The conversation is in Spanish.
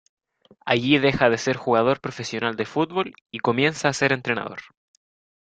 Allí deja de ser jugador profesional de fútbol y comienza a ser entrenador.